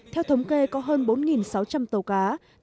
theo thống kê có hơn bốn sáu trăm linh tàu cá